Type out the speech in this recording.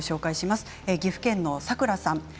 岐阜県の方からです。